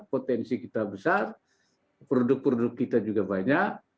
potensi kita besar produk produk kita juga banyak